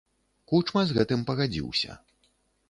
Кучма з гэтым пагадзіўся.